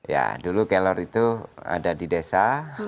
ya dulu kelor itu ada di desa